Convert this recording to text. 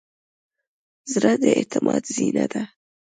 زړه د اعتماد زینه ده.